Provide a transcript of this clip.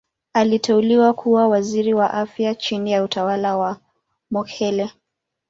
Aliteuliwa kuwa Waziri wa Afya chini ya utawala wa Mokhehle.